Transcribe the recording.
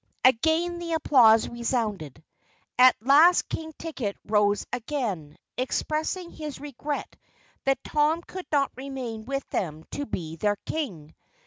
Again the applause resounded. At last King Ticket rose again, expressing his regret that Tom could not remain with them to be their King.